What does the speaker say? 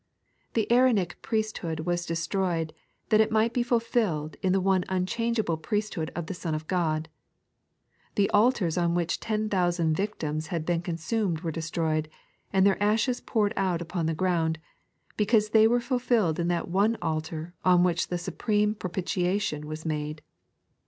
The Aaronic Priesthood was destroyed, that it might be fulfilled in the one unchangeable priesthood of the Son of Ood. The altars on which ten thousand victims had been consumed were destroyed, and their ashes poured out upon the ground, because they were fulfilled in that one Altar on which the supreme Propitiation was made.